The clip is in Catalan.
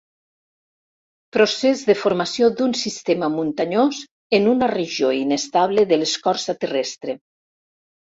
Procés de formació d'un sistema muntanyós en una regió inestable de l'escorça terrestre.